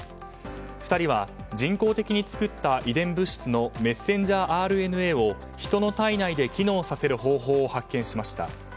２人は人工的に作った遺伝物質のメッセンジャーＲＮＡをヒトの体内で機能させる方法を発見しました。